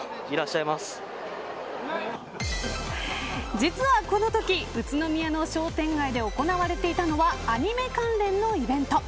実はこのとき、宇都宮の商店街で行われていたのはアニメ関連のイベント。